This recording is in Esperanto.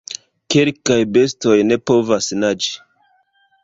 Kelkaj bestoj ne povas naĝi.